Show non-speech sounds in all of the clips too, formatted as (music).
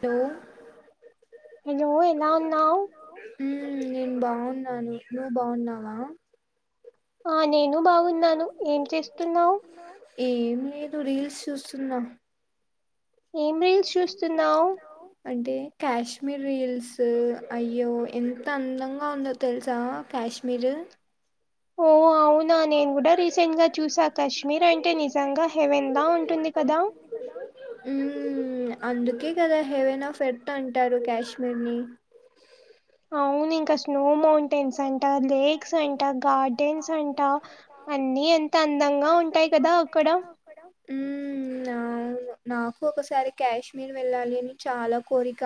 Two hello ఎలా ఉన్నావ్ బావున్నాను నువ్వు బావున్నావా ఆ నేను బాగున్నాను ఏం చేస్తున్నావ్ ఏం లేదు రీల్స్ చూస్తున్నా ఏం రీల్స్ చూస్తున్నావ్ కాశ్మీర్ రీల్స్ అయ్యో ఎంత అందంగా ఉందో తెల్సా కాశ్మీర్ ఒ ఓవు అవునా నేను గుడా రీసెంట్ గా చూసా కశ్మీర్ అంటే నిజంగా హెవెన్లా ఉంటుంది కదా! మ్మ్ అందుకే కదా హెవెన్ ఆఫ్ ఎర్త్ అంటారు కాశ్మీర్ ని అవునింక నో మౌంటెన్స్ అంట లేక్స్ అంట గార్డెన్స్ అంట అన్ని ఎంతందం మ్మ్ నాకు ఒకసారి కాశ్మీర్ వెళ్ళాలి అని చాలా కోరిక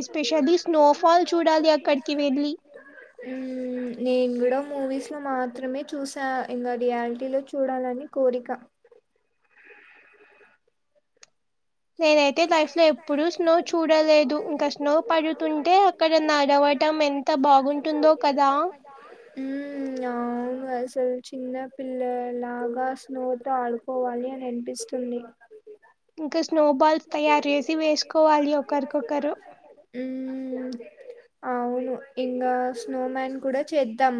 ఎస్పెషలీ స్నోఫాల్ చూడాలి అక్కడ్కి వెళ్ళి నేన్ గుడా మూవీస్ లో మాత్రమే చూసా ఇంగ రియాలిటీలో చూడాలని కోరిక ఒ నేనైతే లైఫ్ లో ఎప్పుడు స్నో చూడలేదు ఇంకా స్నో పడుతుంటే అక్కడన్నా ఆడవ టం ఎంత బాగుంటుందో కదా ఉ అసలు చిన్న పిల్లలాగా స్నోతో ఆడుకోవాలి అని అనిపిస్ తుంది హు అవును ఇంగా స్నోమ్యాన్ కూడ చేద్దాం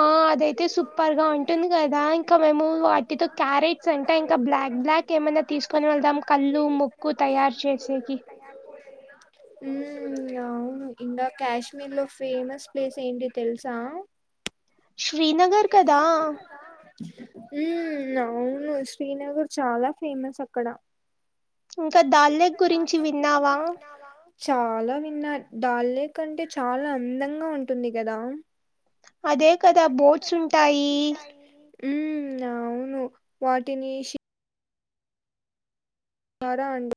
ఆ అదయితే సూపర్గా ఉంటుంది కదా ఇంకా మేము వాటితో క్యారెట్స్ అంట ఇంక బ్లాక్ బ్లాక్ ఏమైన తీసుకొని వెళ్దాం కళ్ళు ముక్కు తయారు చేసేకి ఉ ఇంకా క్యాశ్మీర్ లో ఫేమస్ ప్లేస్ ఏంటి తెలుస శ్రీనగర్ కదా ఉ అవును శ్రీనగర్ చాల ఫేమస్ అక్కడ ఇంక దలేక్ గురించి విన్నావా చాలా విన్నా డాల్ లేక్ అంటే చాల అందంగా ఉంటుంది కదా అదే కదా బోట్స్ ఉంటాయి ఉ అవును వాటిని వర అండు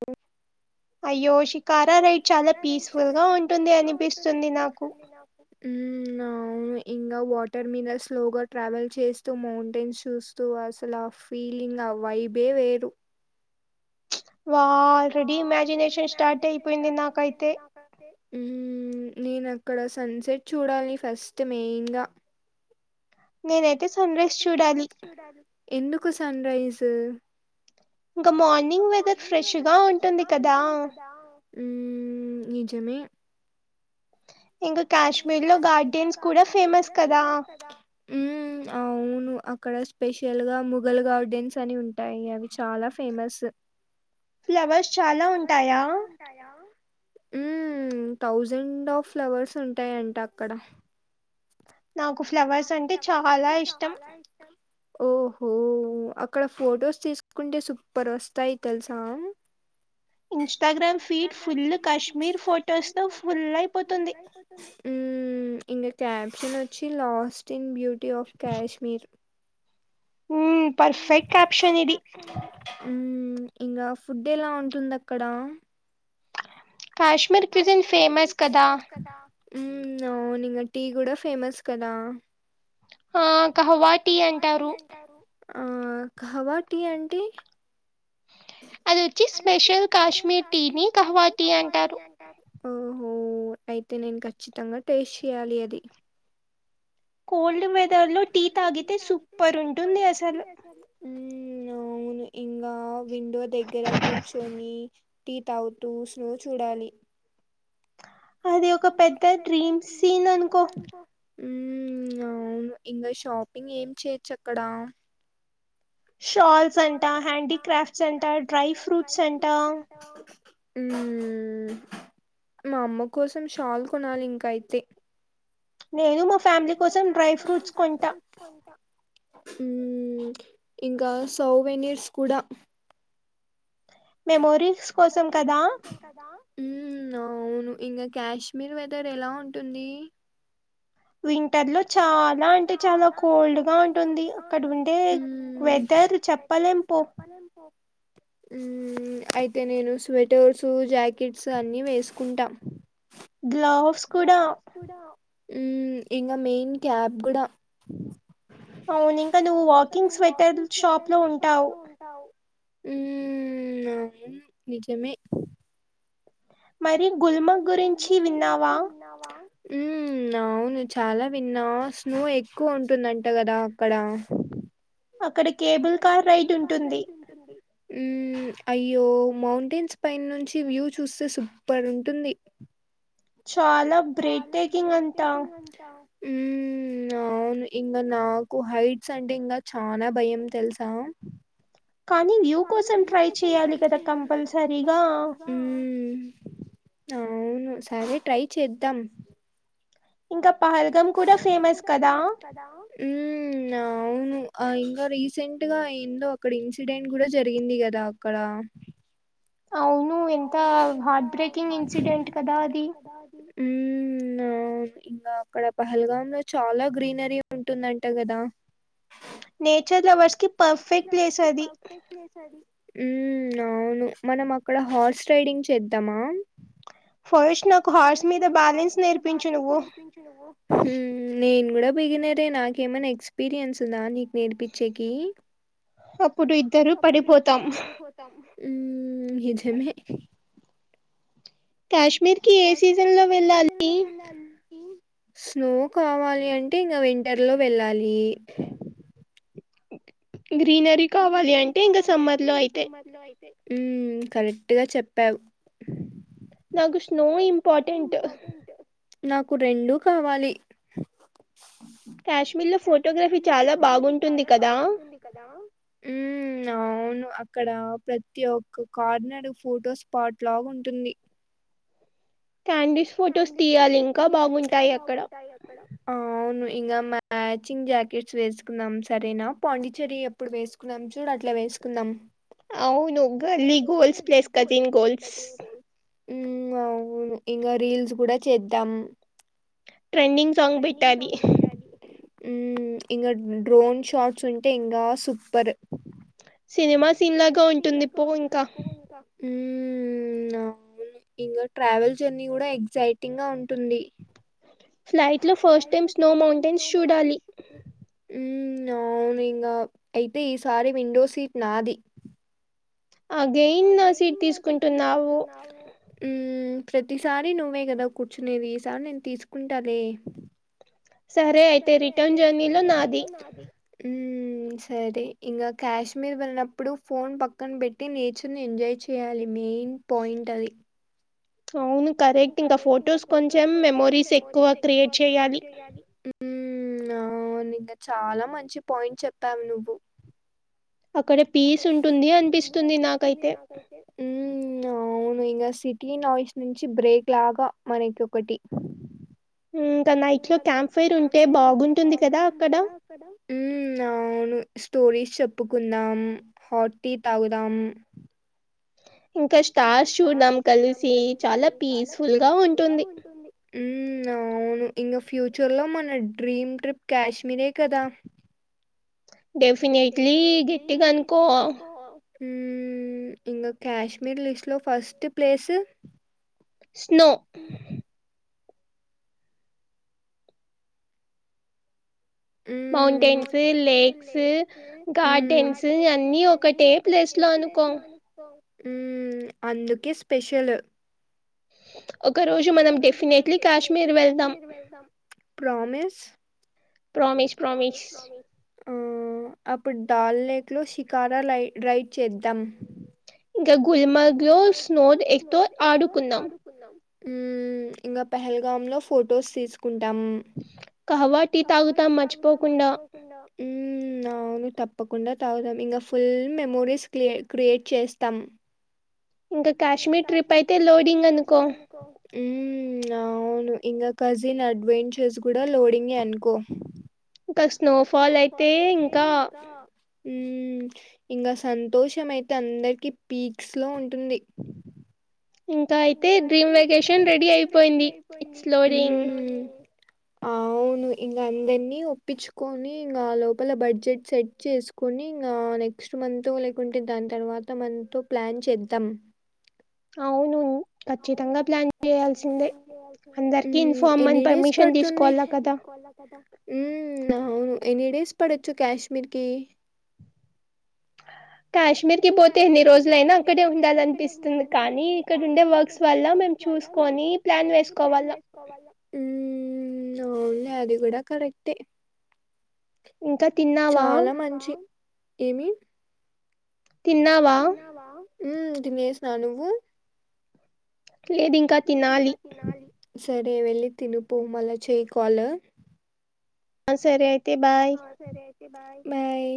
అయ్యో షికార రైడ్ చాలా పీస్ఫుల్గా ఉంటుంది అనిపిస్తుంది నాకు ఉ అవు ఇంకా వాటర్ మినల్స్ లోగా ట్రావెల్ చేస్తూ మౌంటైన్స్ చూస్తూ అసలు ఆ ఫీల్ ఇంగ ఆ వైబే వేరు వా ఆల్ రెడీ ఇమజినేషన్ స్టార్ట్ అయిపోయింది నా కైతే నేను అక్కడ సన్సెట్ చూడలి ఫస్ట్ మెయిన్గ మీరైతే సన్ రైస్ చూడాలి ఎందుకు సన్ రైజు ఇంకా మార్నింగ్ వెదర్ ఫ్రెష్గా ఉంటుంది కదా ఉ నిజమే కాశ్మీర్ లో గార్డెన్ కూడ ఫేమస్ కదా అవును అక్కడ స్పెషల్ గా ముఘల్ గార్డెన్స్ అని ఉంటాయి అవి చాలా ఫేమస్ ఫ్లవర్స్ చాల ఉంటాయా ఉ థౌజండ్ ఆఫ్ ఫ్లవర్స్ ఉంటాయంట అక్కడ నాకు ఫ్లవర్స్ అంటే చాలా ఇష్టం ఓహో అక్కడ ఫొటోస్ తీసుకుంటే సూపర్ వస్తాయి తెలుసా ఇన్స్టాగ్రామ్ ఫీడ్ ఫుల్ కాశ్మీర్ ఫొటోస్తో ఫుల్ అయిపోతుంది ఇంగ క్యాప్షన్ వచ్చి lost in beauty of Kashmir perfect caption ఇది ఇంగా ఫుడ్ ఎలా ఉంటుంది అక్కడ కాశ్మీర్ (unintelligible) జన్ ఫేమస్ కదా అవును ఇంగ టీ కూడా ఫేమస్ కదా ఆ (unintelligible) అంటారు ఆ కవా టీ అంటీ అదోచ్చి స్పెషల్ కాశ్మీర్ టీ ని (unintelligible) టీ అంటారు ఓహో అయితే నేను ఖచ్చితంగా టేస్ట్ చెయాలి అది కోల్డ్ వెదర్ లో టీ తాగితే సూపర్ ఉంటుంది అసలు అవును ఇంకా విండో దగ్గర కూర్చొని టీ తాగుతూ స్నో చూడాలి అది ఒక పెద్ద డ్రీమ్ సీన్ అనుకో ఉ అవును ఇంకా షాపింగ్ ఏమి చేయొచ్చు అక్కడ షాల్స్ అంట హ్యాండి క్రాఫ్ట్స్ అంట డ్రై ఫ్రూట్స్ అంట ఉ మా అమ్మ కోసం షాల్ కొనాలి ఇంకా అయితే నేను మా ఫ్యామిలీ కోసం డ్రై ఫ్రూట్స్ కొంటా హ ఇంకా సౌవెనీట్స్ కూడా మెమోరీస్ కోసం కదా ఉ అవును ఇంకా కాశ్మీర్ వెదర్ ఎలా ఉంటుంది వింటర్ లో చాలా అంటే చాలా కోల్డ్గా ఉంటుంది అక్కడ ఉండే వెదర్ చెప్పలేంపు మ్మ్ అయితే నేను స్వెటర్స్ జాకెట్స్ అన్ని వేసుకుంటా గ్లవ్స్ కూడా ఉ ఇంకా మెయిన్ క్యాప్ కూడా అవును ఇంకా నువ్వు వాకింగ్ స్వెటర్ షాప్ లో ఉంటావు ఉమ్ అవును నిజమే మరి గుల్మగ్ గురించి విన్నావా మ్మ్ అవును చాలా విన్నా స్నో ఎక్కువ ఉంటుందంట కదా అక్కడ అక్కడ కేబుల్ కార్ రైడ్ ఉంటుంది ఉమ్ అయ్యో మౌంటెన్స్ పై నుంచి వ్యూ చూస్తే సూపర్ ఉంటుంది చాలా బ్రేక్ టేకింగ్ అంతా అవును ఇంకా నాకు హైట్స్ అంటే ఇంకా చాల భయం తెలుసా కానీ వ్యూ కోసం ట్రై చేయాలి కదా కంపల్సరిగా ఉమ్ అవును సరే ట్రై చేద్దాం ఇంకా పహల్గమ్ కూడా ఫేమస్ కదా ఉమ్ నవును ఆ ఇంకా రీసెంట్ గా ఏందో అక్కడ ఇన్సిడెంట్ కూడా జరిగింది కదా అక్కడ అవును ఎంత హార్డ్ బ్రేకింగ్ ఇన్సిడెంట్ కదా అది ఇంకా అక్కడ పహల్గామ్ లో చాలా గ్రీనరీ ఉంటుందంట కదా నేచర్ వర్ నేచర్ లవర్స్ కి పర్ఫెక్ట్ ప్లేస్ అది ఉ అవును మనం అక్కడ హార్స్ రైడింగ్ చేద్దామా ఫస్ట్ నాకు హార్స్ మీద బ్యాలెన్స్ నేర్పించు నువ్వు హ్మ్మ్ నేను కూడా బిగినరే నాకేమైనా ఎక్స్పీరియన్స్ ఉందా నీకు నేర్పించేకి ఇప్పుడు ఇద్దరు పడిపోతాం ఉమ్ నిజమే కాశ్మీర్ కి ఏ సీజన్ లో వెళ్ళాలి స్నో కావాలి అంటే ఇంకా వింటర్ లో వెళ్ళాలి గ్రీనరీ కావాలి అంటే ఇంకా సమ్మర్ లో అయితే ఉమ్ కరెక్ట్గా చెప్పావు నాకు స్నో ఇంపార్టెంట్ నాకు రెండూ కావాలి ఆ (unintelligible) కామ లో ఫోటోగ్రఫీ చాలా బాగుంటుంది కదా ఒ అక్కడ ప్రతి ఒక్క కార్నర్ ఫోటో స్పాట్ లాగా ఉంటుంది శాండీస్ ఫొటోస్ తీయాలి ఇంకా బాగుంటాయి అక్కడ అవును ఇంగ మ్యాచింగ్ జాకెట్స్ వేసుకుందం సరేనా పాండిచ్చేరి ఎప్పుడు వేసుకున్నాం చూడు అట్లా వేస్ కుందాం అవును గల్లి గోల్స్ ప్లేస్ కజన్ గోల్స్ ఉం అవును ఇంగా రీల్స్ కూడా చేద్దాం ట్రెండింగ్ సాంగ్ పెట్టాది ఉం ఇంగ డ్రోన్ షాట్స్ ఉంటే ఇంగా సూపర్ సినిమా సీన్ లాగా ఉంటుంది పో ఇంకా ఉం అవును ఇంగా ట్రావెల్ జర్నీ కూడా ఎగ్జైటింగ్ గా ఉంటుంది నైట్ లో ఫ స్నో మౌంటెన్ (unintelligible) అవును ఇంగా అయితే ఈసారి విండో సీట్ నాది అగేయిన్ ఆ సీట్ తీసుకుంటున్నావు ఉం ప్రతిసారి నువ్వే కదా కూర్చునేది ఈసారి నేను తీసుకుంటాలే సరే అయితే రిటర్న్ జర్నీలో నాది సరే ఇంగ కాశ్మీర్ వెళ్ళినప్పుడు ఫోన్ పక్కన పెట్టి నేచర్ ని ఎంజాయ్ చేయాలి మీ మెయిన్ పాయింట్ అది అవును కరెక్ట్ ఇంకా ఫొటోస్ కొంచెం మెమోరీస్ ఎక్కువ క్రియేట్ చేయాలి ఉం అవును ఇంగ చాలా మంచి పాయింట్ చెప్పావు నువ్వు అక్కడ పీస్ ఉంటుంది అనిపిస్తుంది నాకైతే ఉం అవును ఇంగా సిటీ నాయిస్ నుంచి బ్రేక్ లాగా మనకి ఒకటి ఇంకా నైట్ లో క్యాం ఫైర్ ఉంటే బాగుంటుంది కదా అక్కడ ఉం అవును స్టోరీస్ చెప్పుకుందాం హాట్ టీ తాగుదాం ఇంకా స్టార్స్ చూడం కలిసి చాలా పీస్ఫుల్ గా ఉంటుంది ఉం అవు ఇంగ ఫ్యూచర్ లో మన డ్రీమ్ ట్రిప్ కాశ్మీరే కదా డెఫినెట్లీ గట్టిగా అనుకో ఉం ఇంగ కాశ్మీర్ లిస్ట్ లో first place snow mountains lakes gardens అన్నీ ఒక ఒకటే ప్లేస్ లో అనుకో ఉం అందుకే స్పెషల్ ఒక రోజు మనం డెఫ్నెట్లీ కాశ్మీర్ వెళ్దాం ప్రామిస్ ప్రామిస్ ప్రామిస్ ఆ అప్పుడు డాల్ లేక్ లో షికారా లై రైడ్ చేద్దాం ఇంకా గుల్మార్గ్ లో స్నోడ్ ఎక్తో ఆడుకున్నాం (unintelligible) ఉం ఇంగా పెహల్గామ్ లో ఫొటోస్ తీసుకుంటాము కహవా టీ తాగుతాం మర్చిపోకుండా ఉం అవు అవును తప్పకుండా తాగుదాం ఇంగా ఫుల్ మెమోరీస్ కి క్రియేట్ చేస్తాం ఇంకా కాశ్మీర్ ట్రిప్ అయితే నో డింగ్ అనుకో అవును ఇంగా కజిన్ అడ్వెంచర్స్ కూడా లోడింగే అనుకో ఇంకా స్నోఫాల్ అయితే ఇంకా ఇంకా సంతోషం అయితే అందరికి పీక్స్ లో ఉంటుంది ఇంకా అయితే డ్రీమ్ వెకేషన్ రెడీ అయిపోయింది ఇట్స్ లోడింగ్ ఆ అవును ఇంక అందరినీ ఒప్పించుకొని ఇంకా అ లోపల బడ్జెట్ సెట్ చేసుకొని ఇంకా నెక్స్ట్ మంత్ లేకుంటే దాని తర్వాత మంతో ప్లాన్ చేద్దాం అవును ఖచ్చితంగా ప్లాన్ చేయాల్సిందే అందరికి ఇన్ఫార్మ్ అని పర్మిషన్ తీసుకోవాలా కదా ఉమ్ అవును ఎనీ డేస్ పడొచ్చు కాశ్మీర్ కి క్యాష్ మిర్కి పోతే ఎన్ని రోజులైనా అక్కడే ఉండాలని పిస్తుంది కానీ ఇక్కడ ఉండే వర్క్స్ వల్ల మేము చూసుకో ఉమ్ ఉమ్ అవునులే అది కూడా కరెక్టే చాలా మంచి ఏమి తిన్నావా ఉమ్ తినేసినా నువ్వు లేదింకా తినాలి సరే వెళ్ళి తినుపో మళ్ళ చేయి కాల్ ఆ సరే బాయ్